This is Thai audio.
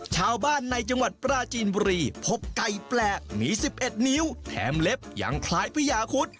ชาวบ้านในจังหวัดปราจีนบุรีพบไก่แปลกมี๑๑นิ้วแถมเล็บยังคล้ายพญาคุด